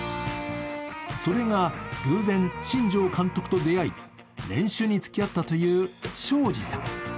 それが偶然、新庄監督と出会い、練習に付き合ったという小路さん。